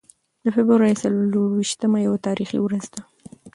د فبرورۍ څلور ویشتمه یوه تاریخي ورځ ده.